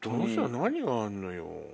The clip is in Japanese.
何があんのよ。